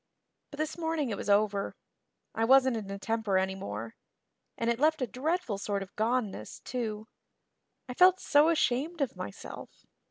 But this morning it was over. I wasn't in a temper anymore and it left a dreadful sort of goneness, too. I felt so ashamed of myself.